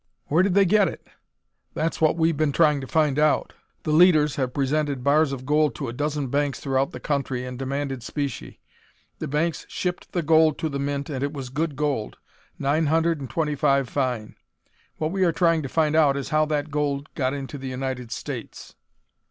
"Where did they get it?" "That's what we have been trying to find out. The leaders have presented bars of gold to a dozen banks throughout the country and demanded specie. The banks shipped the gold to the mint and it was good gold, nine hundred and twenty five fine. What we are trying to find out is how that gold got into the United States."